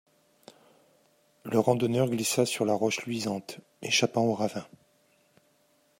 Le randonneur glissa sur la roche luisante, échappant au ravin.